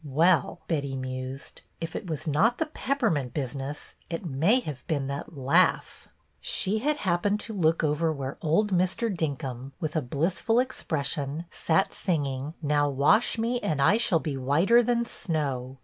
"Well," Betty mused, " if it was not the peppermint business it may have been that Hugh." She had happened to look over where old II 6 BETTY BAIRD Mr. Dinkum, with a blissful exj^ression, sat singing " Now wash me and I shall be whiter than snow."